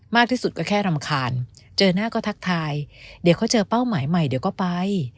มากที่สุดก็แค่รำคาญเจอหน้าก็ทักทายเดี๋ยวเขาเจอเป้าหมายใหม่เดี๋ยวก็ไป